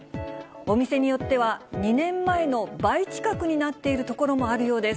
お店によっては、２年前の倍近くになっているところもあるようです。